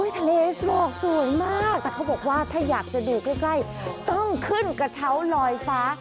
ทะเลหมอกสวยมากแต่เขาบอกว่าถ้าอยากจะดูใกล้ต้องขึ้นกระเช้าลอยฟ้า